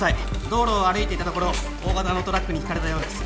道路を歩いていたところ大型のトラックにひかれたようです。